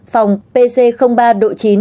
phòng pc ba độ chín